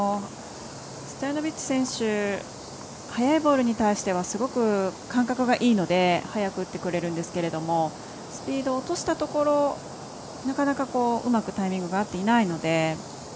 ストヤノビッチ選手速いボールに対してはすごく感覚がいいので速く打ってくれるんですけどスピードを落としたところなかなかうまくタイミングが合っていないので。